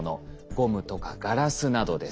ゴムとかガラスなどです。